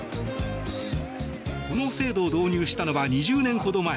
この制度を導入したのは２０年ほど前。